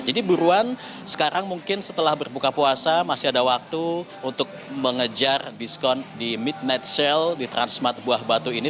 jadi buruan sekarang mungkin setelah berbuka puasa masih ada waktu untuk mengejar diskon di mid net sale di transmart buah batu ini